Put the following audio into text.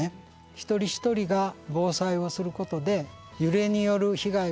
一人一人が防災をすることで揺れによる被害も減らす。